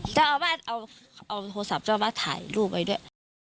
เจ้าอาวาสเอาโทรศัพท์เจ้าบ้านถ่ายรูปไว้ด้วย